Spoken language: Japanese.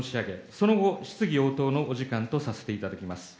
その後、質疑応答のお時間とさせていただきます。